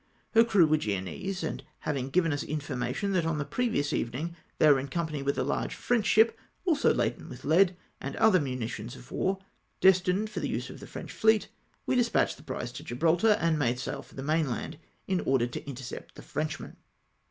Her crew were Genoese, and having given us infor mation that on the preceding evening they were in company with a large French ship also laden with lead, and other munitions of war, destined for the use of CHASE THREE SHIPS. 249 the French fleet, we despatched the prize to Gibraltar, and made sail for the mainland, in order to intercept the Frenchman.